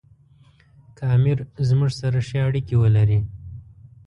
که امیر زموږ سره ښې اړیکې ولري.